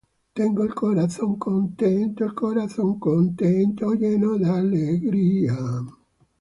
Tengo el corazón contento